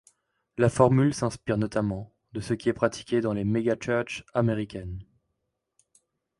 La formule s'inspire notamment de ce qui est pratiqué dans les megachurches américaines.